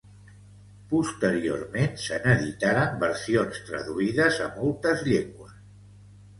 Posteriorment se n'editaren versions traduïdes a moltes llengües.